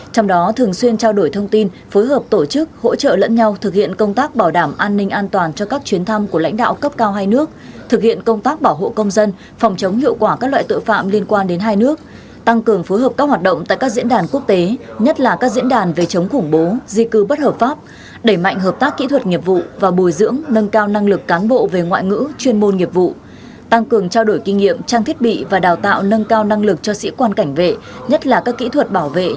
trong đó thường xuyên trao đổi thông tin phối hợp tổ chức hỗ trợ lẫn nhau thực hiện công tác bảo đảm an ninh an toàn cho các chuyến thăm của lãnh đạo cấp cao hai nước thực hiện công tác bảo hộ công dân phòng chống hiệu quả các loại tội phạm liên quan đến hai nước tăng cường phối hợp các hoạt động tại các diễn đàn quốc tế nhất là các diễn đàn về chống khủng bố di cư bất hợp pháp đẩy mạnh hợp tác kỹ thuật nghiệp vụ và bồi dưỡng nâng cao năng lực cáng bộ về ngoại ngữ chuyên môn nghiệp vụ tăng cường trao đ